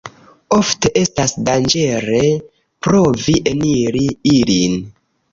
Ofte estas danĝere provi eniri ilin.